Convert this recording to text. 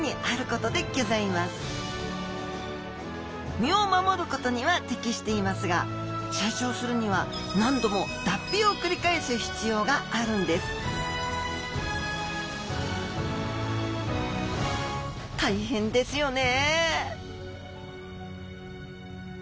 身を守ることには適していますが成長するには何度も脱皮を繰り返す必要があるんです大変ですよね